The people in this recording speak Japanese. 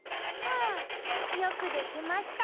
あよくできました。